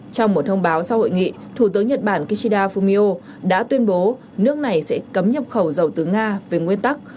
trong một thông báo sau hội nghị thủ tướng nhật bản kishida fumio đã tuyên bố nước này sẽ cấm nhập khẩu dầu từ nga về nguyên tắc